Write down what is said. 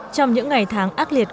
trong những ngày tháng ác liệt